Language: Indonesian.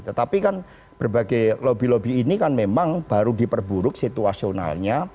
tetapi kan berbagai lobby lobby ini kan memang baru diperburuk situasionalnya